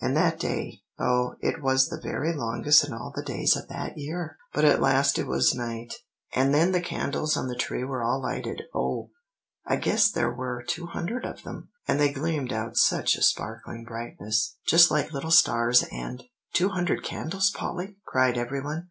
And that day, oh, it was the very longest in all the days of the year! But at last it was night; and then the candles on the tree were all lighted, oh! I guess there were two hundred of them; and they gleamed out such a sparkling brightness, just like little stars, and" "Two hundred candles, Polly!" cried every one.